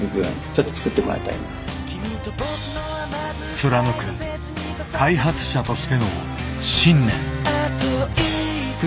貫く開発者としての信念。